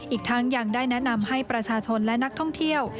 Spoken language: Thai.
อีกทั้งยังได้แนะนำให้ประชาชนและนักท่องเที่ยว